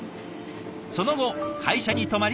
その後会社に泊まり